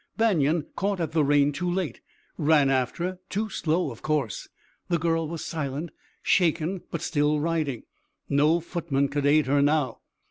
Banion caught at the rein too late, ran after too slow, of course. The girl was silent, shaken, but still riding. No footman could aid her now.